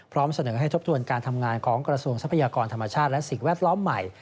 พร้อมเสนอให้ทบทวนการทำงานของกระทรวงทรัพยากรธรรมชาติและสิ่งแวดล้อมใหม่